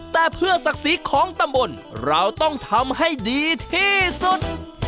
แต่เพื่อศักดิ์ศรีของตำบลเราต้องทำให้ดีที่สุด